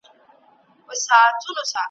انسانان چي له غوایانو په بېلېږي `